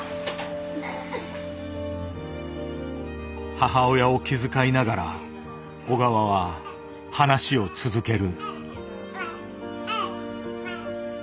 母親を気遣いながら小川は話を続ける。